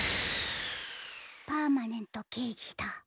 パーマネントけいじだ。